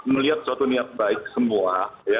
melihat suatu niat baik semua